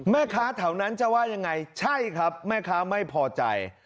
แม่ค้าแถวนั้นจะว่ายังไงใช่ครับแม่ค้าไม่พอใจ